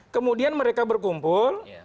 kemudian mereka berkumpul